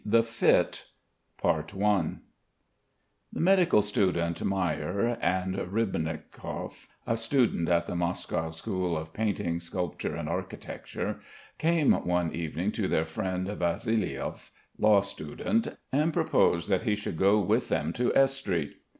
THE FIT The medical student Mayer, and Ribnikov, a student at the Moscow school of painting, sculpture, and architecture, came one evening to their friend Vassiliev, law student, and proposed that he should go with them to S v Street.